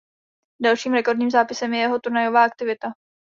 Dalším rekordním zápisem je jeho turnajová aktivita.